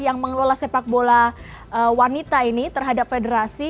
yang mengelola sepak bola wanita ini terhadap federasi